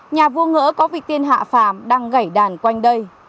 nhà vua ngỡ có vịt tiên hạ phàm đang gãy đàn quanh đây